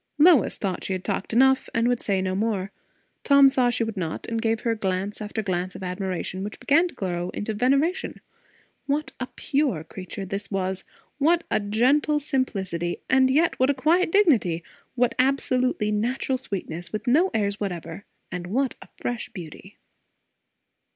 Lois thought she had talked enough, and would say no more. Tom saw she would not, and gave her glance after glance of admiration, which began to grow into veneration. What a pure creature was this! what a gentle simplicity, and yet what a quiet dignity! what absolutely natural sweetness, with no airs whatever! and what a fresh beauty.